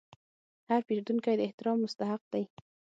هر پیرودونکی د احترام مستحق دی.